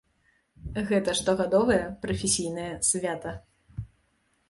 Гэта штогадовае прафесійнае свята.